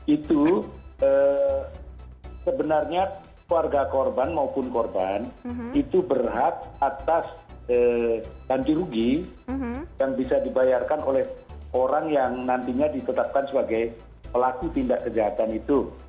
itu sebenarnya keluarga korban maupun korban itu berhak atas ganti rugi yang bisa dibayarkan oleh orang yang nantinya ditetapkan sebagai pelaku tindak kejahatan itu